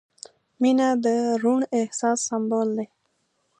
• مینه د روڼ احساس سمبول دی.